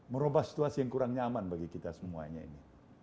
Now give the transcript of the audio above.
merubah situasi yang kurang nyaman bagi kita semuanya ini